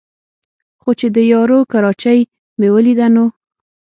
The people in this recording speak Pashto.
خو چې د یارو کراچۍ مې ولېده نو